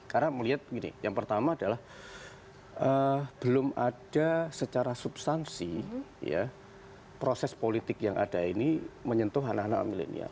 karena melihat begini yang pertama adalah belum ada secara substansi ya proses politik yang ada ini menyentuh anak anak milenial